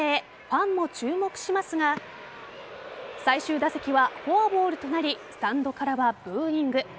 ファンも注目しますが最終打席をフォアボールとなりスタンドからはブーイング。